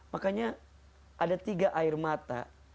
makanya ada tiga air mata